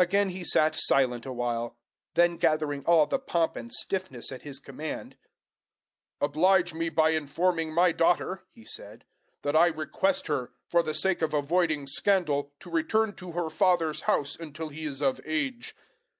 Again he sat silent a while. Then gathering all the pomp and stiffness at his command, "Oblige me by informing my daughter," he said, "that I request her, for the sake of avoiding scandal, to return to her father's house until she is of age."